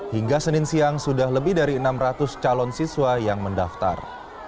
hingga senin siang sudah lebih dari enam ratus calon siswa yang mendaftar